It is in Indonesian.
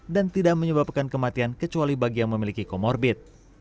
dan tidak menyebabkan kematian kecuali bagi yang memiliki komorbit